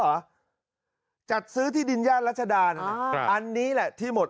เหรอจัดซื้อที่ดินย่านรัชดานะอันนี้แหละที่หมด